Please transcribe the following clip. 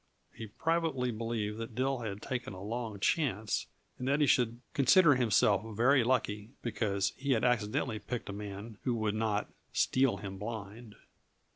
He privately believed that Dill had taken a long chance, and that he should consider himself very lucky because he had accidentally picked a man who would not "steal him blind."